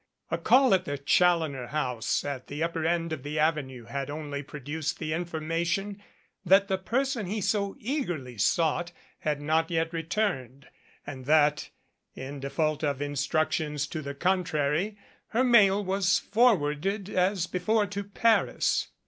A call at the Challoner house at the upper end of the Avenue had only produced the in formation that the person he so eagerly sought had not yet returned, and that, in default of instructions to the contrary, her mail was forwarded, as before, to Paris.